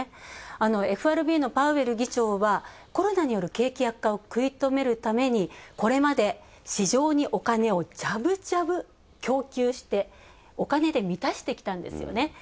ＦＲＢのパウエル議長はコロナによる景気悪化を食い止めるために、これまで市場にお金をジャブジャブ供給してお金で満たしてきたんですよね。